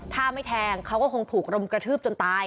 ถ้าไม่แทงเขาก็คงถูกรุมกระทืบจนตาย